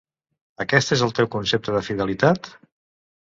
Aquest és el teu concepte de fidelitat?